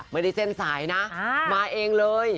ไม่ได้เส้นสายนะมาเองเลย